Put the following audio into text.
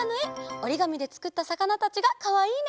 おりがみでつくったさかなたちがかわいいね。